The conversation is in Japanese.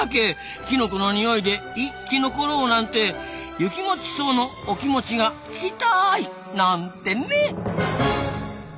きのこの匂いで「生きのこ」ろうなんてユキモチソウのお気持ちが聞きたい！なんてね。